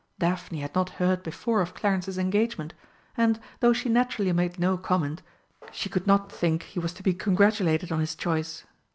Daphne had not heard before of Clarence's engagement and, though she naturally made no comment, she could not think he was to be congratulated on his choice.